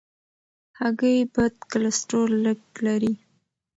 هګۍ بد کلسترول لږ لري.